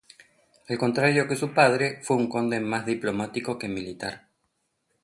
Al contrario que su padre, fue un conde más diplomático que militar.